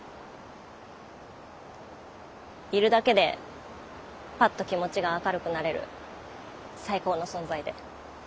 いるだけでパッと気持ちが明るくなれる最高の存在で。